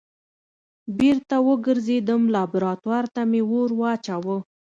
بېرته وګرځېدم لابراتوار ته مې اور واچوه.